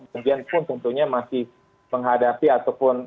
kemudian pun tentunya masih menghadapi ataupun